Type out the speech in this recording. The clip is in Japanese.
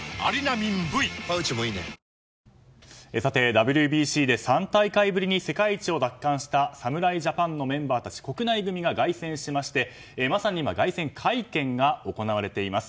⁉ＷＢＣで３大会ぶりに世界一を奪還した侍ジャパンのメンバーたち国内組が凱旋しましてまさに今凱旋会見が行われています。